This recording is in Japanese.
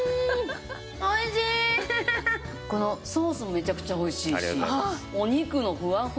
このソースもめちゃくちゃ美味しいしお肉のふわふわと。